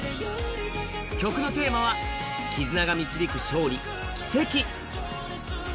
曲のテーマは絆が導く奇跡、勝利。